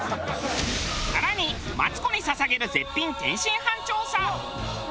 更にマツコに捧げる絶品天津飯調査！